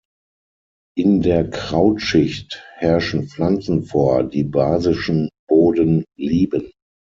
In der Krautschicht herrschen Pflanzen vor, die basischen Boden lieben.